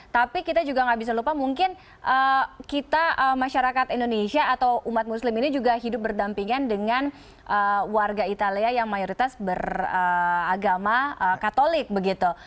tapi kita juga nggak bisa lupa mungkin kita masyarakat indonesia atau umat muslim ini juga hidup berdampingan dengan warga italia yang mayoritas beragama katolik begitu